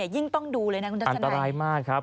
ยิ่งต้องดูเลยนะคุณทัศนัยอันตรายมากครับ